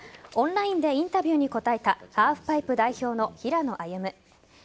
オンラインでインタビューに答えたハーフパイプ代表の平野歩夢。